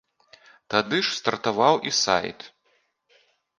Тады ж стартаваў і сайт.